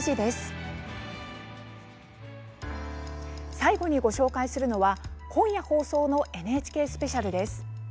最後にご紹介するのは今夜放送のＮＨＫスペシャルです。